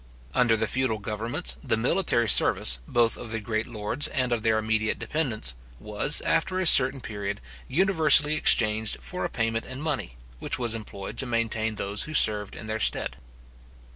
Under the feudal governments, the military service, both of the great lords, and of their immediate dependents, was, after a certain period, universally exchanged for a payment in money, which was employed to maintain those who served in their stead.